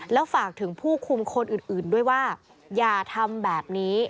แล้วฝากถึงผู้คุมคนอื่นด้วยว่าอย่าทำแบบนี้